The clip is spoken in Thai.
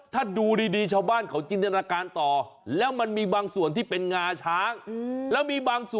ที่เคยโผล่ไปที่ครัวของชาวบ้าน